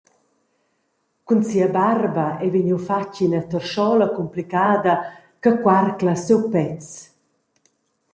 Cun sia barba ei vegniu fatg ina terschola cumplicada che cuarcla siu pèz.